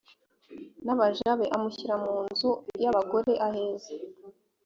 n abaja be amushyira mu nzu y abagore aheza